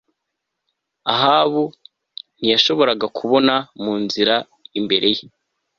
Ahabu ntiyashoboraga kubona mu nzira imbere ye